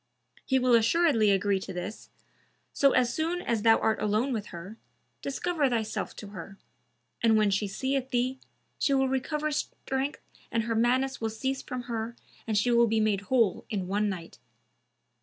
He will assuredly agree to this, so as soon as thou art alone with her, discover thyself to her; and when she seeth thee, she will recover strength and her madness will cease from her and she will be made whole in one night.